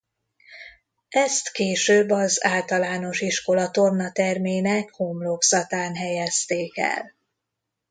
Ezt később az általános iskola tornatermének homlokzatán helyezték el.